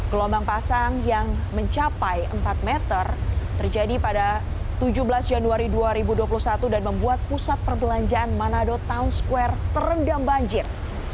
gelombang pasang yang mencapai empat meter terjadi pada tujuh belas januari dua ribu dua puluh satu dan membuat pusat perbelanjaan manado town square terendam banjir